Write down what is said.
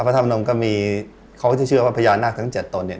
ธรรมนมก็มีเขาก็จะเชื่อว่าพญานาคทั้ง๗ตนเนี่ย